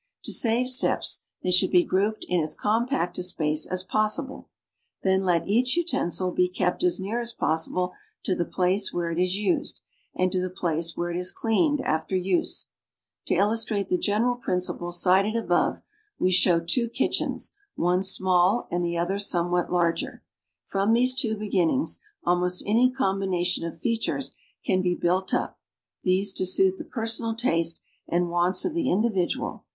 To save steps, they should be grouped in as compact a space as possible. Then let each utensil be kept as near as pos sible to the place where it is used and to the place where it is cleaned after use. To illustrate the general principles cited above, we show two kitchens, one small and the other somewhat larger. From these two beginnings almost any combination of features can be built up, these to suit tlie personal taste and wants of the individual.